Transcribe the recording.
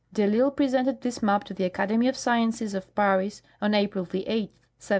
De I'Isle presented this map to the Academy of Sciences of Paris on April 8, 1750.